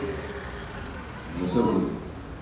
じゃそういうことで。